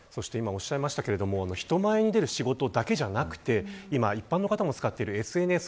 人前に出る仕事だけじゃなくて今、一般の方も使っているＳＮＳ